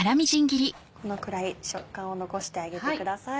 このくらい食感を残してあげてください。